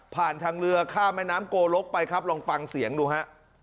ทางเรือข้ามแม่น้ำโกลกไปครับลองฟังเสียงดูฮะ